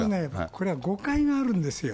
これは誤解があるんですよ。